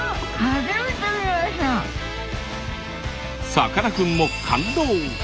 さかなクンも感動！